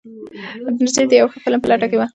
نجلۍ د یو ښه فلم په لټه کې وه.